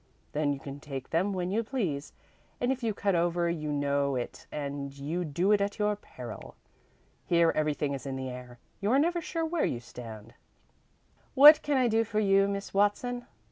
Then you can take them when you please, and if you cut over you know it and you do it at your peril. Here everything is in the air; you are never sure where you stand " "What can I do for you, Miss Watson?"